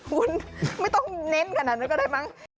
คุณไม่ต้องเน้นขนาดนั้นก็ได้มั้ง